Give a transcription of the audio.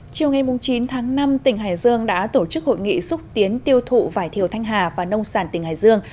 chiều ngày chín tháng năm tỉnh hải dương đã tổ chức hội nghị xúc tiến tiêu thụ vải thiều thanh hà và nông sản tỉnh hải dương